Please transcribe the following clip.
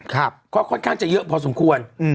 ก็ค่อนข้างจะเยอะพอสมควร